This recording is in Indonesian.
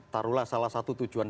taruhlah salah satu tujuan